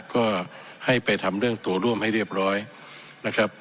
ก็ให้ไปทำเรื่องตัวร่วมให้เรียบร้อยนะครับ